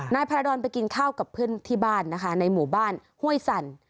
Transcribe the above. นายพาราดอนไปกินข้าวกับเพื่อนที่บ้านนะคะในหมู่บ้านห้วยสั่น